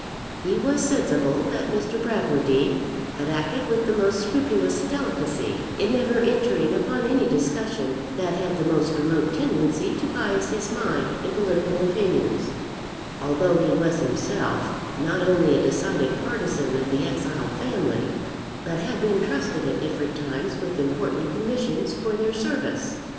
He was sensible that Mr. Bradwardine had acted with the most scrupulous delicacy, in never entering upon any discussion that had the most remote tendency to bias his mind in political opinions, although he was himself not only a decided partisan of the exiled family, but had been trusted at different times with important commissions for their service.